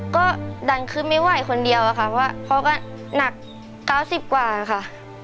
ก็ดันขึ้นไม่ไหวคนเดียวอะค่ะเพราะว่าพ่อก็หนักเก้าสิบกว่าอะค่ะ